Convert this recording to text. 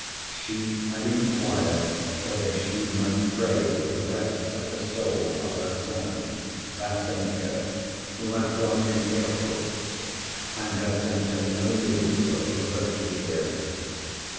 She had inquired whether she might pray for the rest of the soul of her son, Vassenka, who had gone to Irkutsk, and had sent her no news for over a year.